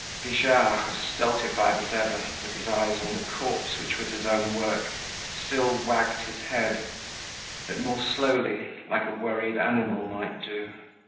Bijard, as stultified as ever, with his eyes on the corpse which was his own work, still wagged his head, but more slowly, like a worried animal might do.